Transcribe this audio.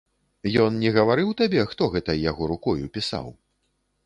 Ён не гаварыў табе, хто гэта яго рукою пісаў?